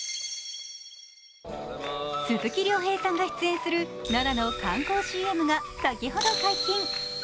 鈴木亮平さんが出演する奈良の観光ＣＭが先ほど解禁。